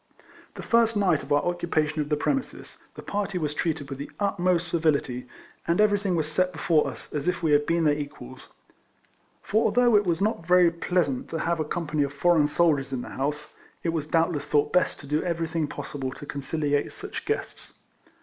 The first night of our occupation of the premises the party was treated with the utmost civility, and everything was set be fore us as if we had been their equals ; for although it was not very pleasant to have a company of foreign soldiers in the house, it was doubtless thought best to do everything RIFLEMAN HARRIS. 12 possible to conciliate such guests.